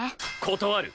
断る。